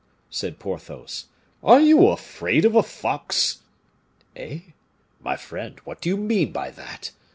said Porthos; "are you afraid of a fox?" "Eh! my friend, what do you mean by that?